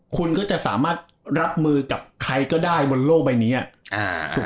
คุณก็จะสามารถรับมือกับใครก็ได้บนโลกใบนี้ถูก